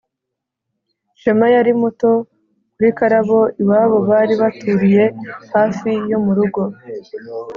shema yari muto kuri karabo. iwabo bari baturiye hafi yo mu rugo